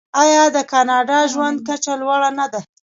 آیا د کاناډا ژوند کچه لوړه نه ده؟